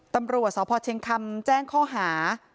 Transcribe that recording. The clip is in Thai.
ตำรวจสพเชียงคำแจ้งข้อหา